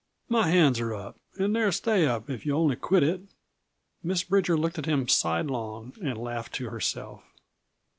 My hands are up and they'll stay up if you'll only quit it." Miss Bridger looked at him sidelong and laughed to herself.